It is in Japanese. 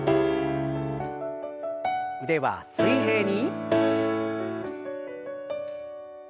腕は水平に。